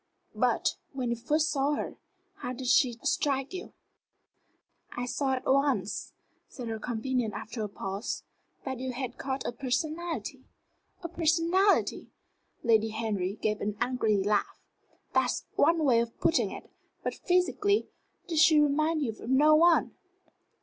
But, when you first saw her, how did she strike you?" "I saw at once," said her companion after a pause, "that you had caught a personality." "A personality!" Lady Henry gave an angry laugh. "That's one way of putting it. But physically did she remind you of no one?"